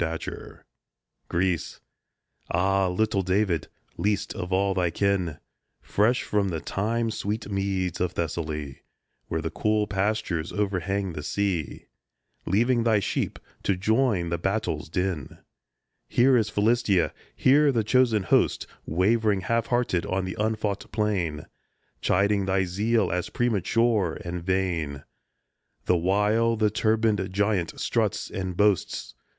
52 GREECE GREECE AH, little David ! least of all thy kin, Fresh from the thyme sweet meads of Thessaly, Where the cool pastures overhang the sea, Leaving thy sheep to join the battle's din : Here is Philistia, here the chosen hosts Wavering half hearted on the unfought plain, Chiding thy zeal as " premature " and "vain," The while the turbaned giant struts and boasts.